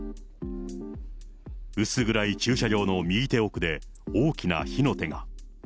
薄暗い駐車場の右手奥で大きな火の手が。